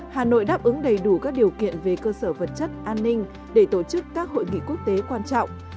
hà nội đáp ứng đầy đủ các điều kiện về cơ sở vật chất an ninh để tổ chức các hội nghị quốc tế quan trọng